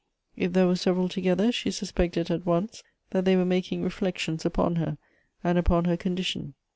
If there were several together, she suspected at once that they were making reflections upon her, and upon her condition.